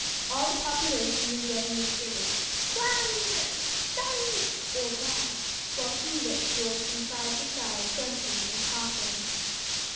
All the population was yelling and screaming "Clam eater! Stareek [old man]!" while Sea Vitch rolled from side to side grunting and coughing.